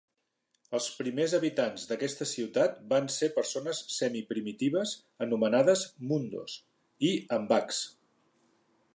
Els primers habitants d'aquesta ciutat van ser persones semiprimitives anomenades "Mundos" i "Ambaks".